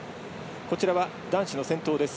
こちらは男子の先頭です。